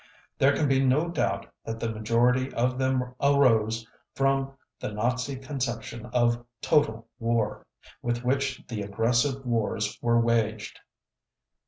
There can be no doubt that the majority of them arose from the Nazi conception of "total war", with which the aggressive wars were waged.